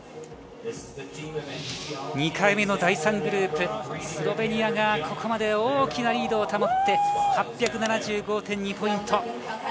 ２回目の第３グループスロベニアがここまで大きなリードを保って８７５．２ポイント。